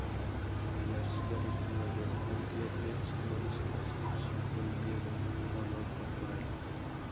La axila desnuda de Antíope simboliza la seducción por medio del olor corporal.